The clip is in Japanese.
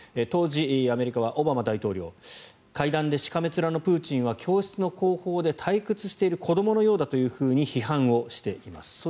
当時、アメリカはオバマ大統領。会談でしかめ面のプーチンは教室の後方で退屈している子どものようだと批判をしています。